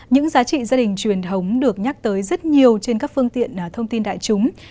những giá trị gia đình truyền thống được nhắc tới rất nhiều trên các phương tiện thông tin đại chúng